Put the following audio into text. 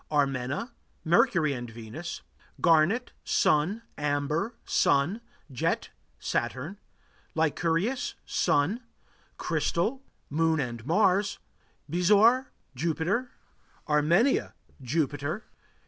Armena Mercury and Venus. Garnet Sun. Amber Sun. Jet Saturn. Lyncurius Sun. Crystal Moon and Mars. Bezoar Jupiter. Armenia Jupiter.